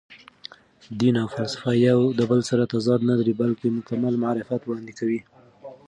دین او فلسفه یو بل سره تضاد نه لري، بلکې مکمل معرفت وړاندې کوي.